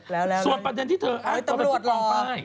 ส่วนปัญญาณที่เธออ้างต่อมาเป็นผู้กองฟ้าย